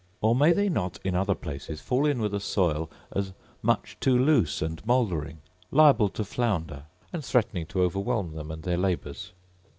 Or may they not in other places fall in with a soil as much too loose and mouldering, liable to flounder, and threatening to overwhelm them and their labours